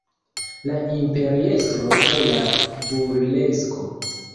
La imperiestro kaj la burlesko.